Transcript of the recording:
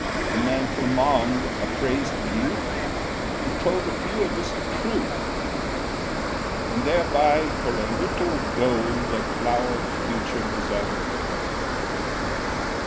The man Flammonde appraised the youth, And told a few of us the truth; And thereby, for a little gold, A flowered future was unrolled.